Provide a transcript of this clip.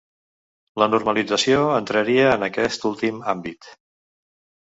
La normalització entraria en aquest últim àmbit.